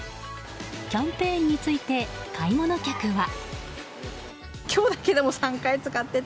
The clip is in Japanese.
キャンペーンについて買い物客は。